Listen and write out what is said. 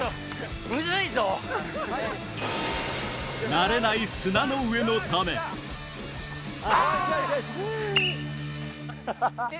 慣れない砂の上のためよしよし！